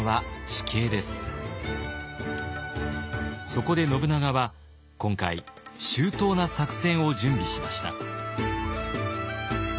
そこで信長は今回周到な作戦を準備しました。